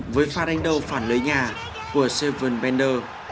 với pha đánh đầu phản lưới nhà của seven bender